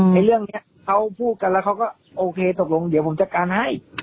ในเรื่องนี้เขาพูดกันแล้วเขาก็โอเคตกลงเดี๋ยวผมจัดการให้